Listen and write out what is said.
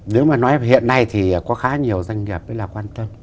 nếu mà nói về hiện nay thì có khá nhiều doanh nghiệp đấy là quan tâm